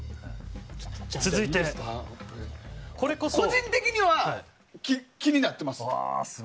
個人的には気になってます。